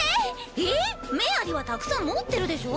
ええっ⁉メアリはたくさん持ってるでしょ？